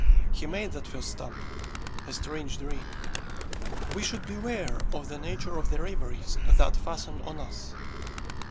He made that first stumble, a strange dream. We should beware of the nature of the reveries that fasten on us.